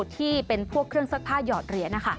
ที่เป็นพวกเครื่องซักผ้าหยอดเหรียญ